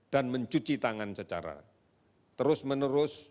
mencuci tangan secara terus menerus